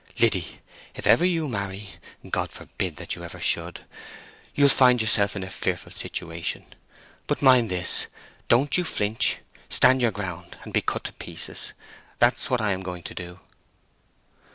Liddy, if ever you marry—God forbid that you ever should!—you'll find yourself in a fearful situation; but mind this, don't you flinch. Stand your ground, and be cut to pieces. That's what I'm going to do."